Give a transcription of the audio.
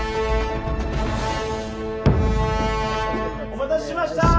お待たせしましたー！